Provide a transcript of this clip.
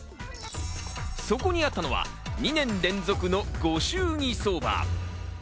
そこにあったのは２年連続のご祝儀相場。